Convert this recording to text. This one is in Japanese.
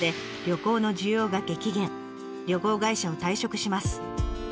旅行会社を退職します。